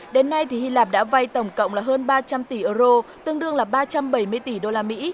đến nay hy lạp đã vay tổng cộng là hơn ba trăm linh tỷ euro tương đương là ba trăm bảy mươi tỷ đô la mỹ